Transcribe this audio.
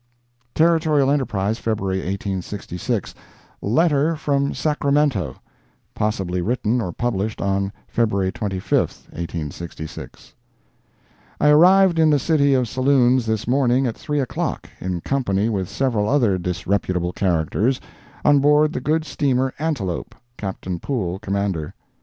Territorial Enterprise, February 1866 LETTER FROM SACRAMENTO [possibly written or published on February 25, 1866] I arrived in the City of Saloons this morning at 3 o'clock, in company with several other disreputable characters, on board the good steamer Antelope, Captain Poole, commander.